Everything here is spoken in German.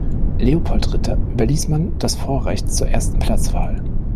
Leopold Ritter überließ man das Vorrecht zur ersten Platzwahl.